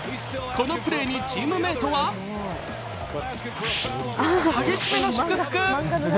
このプレーにチームメートは激しめの祝福。